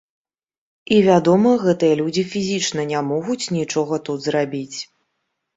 І, вядома, гэтыя людзі фізічна не могуць нічога тут зрабіць.